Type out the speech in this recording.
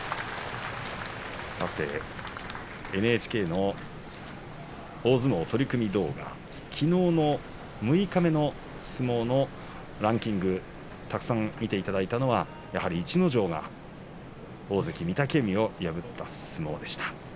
ＮＨＫの大相撲取組動画きのうの六日目の相撲のランキングたくさん見ていただいたのはやはり逸ノ城が大関御嶽海を破った相撲でした。